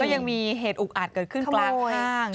ยังมีเหตุอุกอัดเกิดขึ้นกลางห้าง